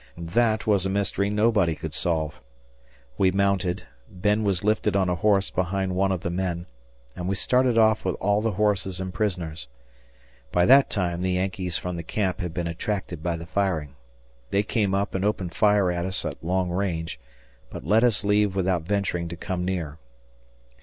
That was a mystery nobody could solve. We mounted; Ben was lifted on a horse behind one of the men, and we started off with all the horses and prisoners. By that time the Yankees from the camp had been attracted by the firing. They came up and opened fire at us at long range, but let us leave without venturing to come near.